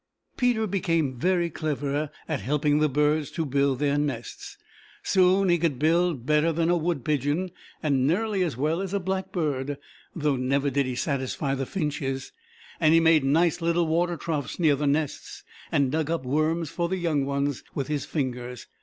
Peter became very clever at helping the birds to build their nests; soon he could build better than a wood pigeon, and nearly as well as a blackbird, though never did he satisfy the finches, and he made nice little water troughs near the nests and dug up worms for the young ones with his fingers.